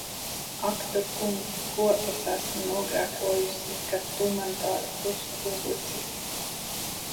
Ak tu Kungs! Ko es esmu nogrēkojusi, ka tu man tādu krustu uzlicis!